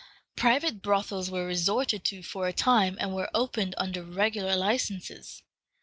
Private brothels were resorted to for a time, and were opened under regular licenses.